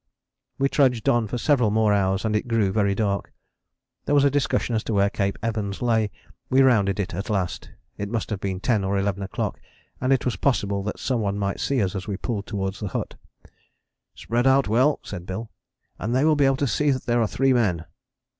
We trudged on for several more hours and it grew very dark. There was a discussion as to where Cape Evans lay. We rounded it at last: it must have been ten or eleven o'clock, and it was possible that some one might see us as we pulled towards the hut. "Spread out well," said Bill, "and they will be able to see that there are three men."